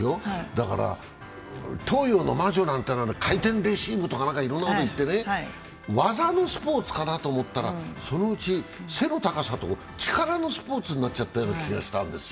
だから、東洋の魔女なんて回転レシーブなんていろんなこといってね技のスポーツかなと思ったらそのうち背の高さと力のスポーツになっちゃった気がしたんです。